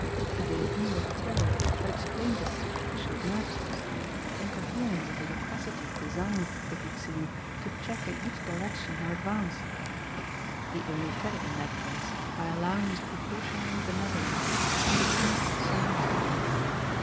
Had he an inward terror that explained his superficial nervousness, the incoherence of a loquacity designed, it would seem, to check in each direction her advance? He only fed it in that case by allowing his precautionary benevolence to put him in so much deeper.